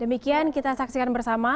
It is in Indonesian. demikian kita saksikan bersama